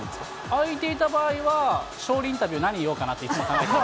開いていた場合は、勝利インタビュー、何言おうかなといつも考えてます。